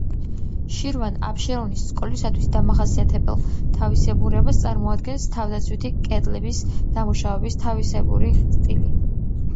შირვან-აბშერონის სკოლისათვის დამახასიათებელ თავისებურებას წარმოადგენს თავდაცვითი კედლების დამუშავების თავისებური სტილი.